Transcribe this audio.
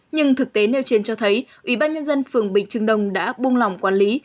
nhưng thực tế nêu trên cho thấy ủy ban nhân dân phường bình trưng đông đã buông lòng quản lý